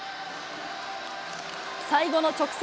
最後の直線。